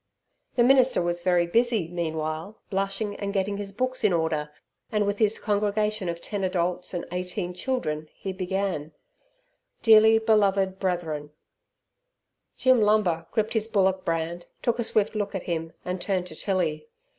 The minister was very busy, meanwhile, blushing and getting his books in order, and with his congregation of ten adults and eighteen children he began, "Dearly beloved brethren " Jim Lumber gripped his bullock brand, took a swift look at him and turned to Tilly.